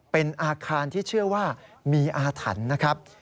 เป็นอาคารที่เชื่อว่ามีอาถรรพ์นะครับ